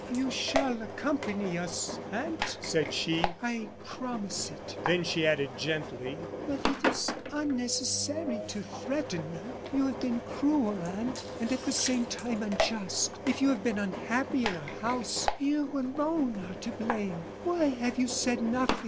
"You shall accompany us, aunt," said she; "I promise it." Then she added, gently: "But it is unnecessary to threaten me. You have been cruel, aunt, and at the same time, unjust. If you have been unhappy in our house, you alone are to blame. Why have you said nothing?